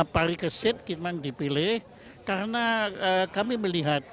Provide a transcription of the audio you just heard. parikesit kita dipilih karena kami melihat